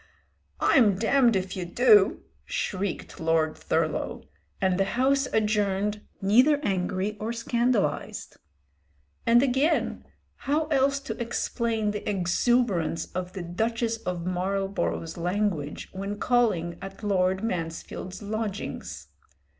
"I'm damned if you do," shrieked Lord Thurlow, and the House adjourned neither angry or scandalised. And again, how else explain the exuberance of the Duchess of Marlborough's language when calling at Lord Mansfield's lodgings?